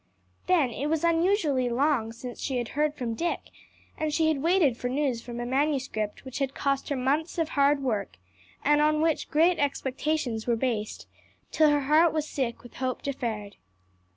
Then it was unusually long since she had heard from Dick; and she had waited for news from a manuscript which had cost her months of hard work, and on which great expectations were based, till her heart was sick with hope deferred.